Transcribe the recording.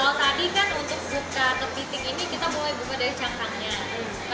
kalau tadi kan untuk buka kepiting ini kita mulai buka dari cangkangnya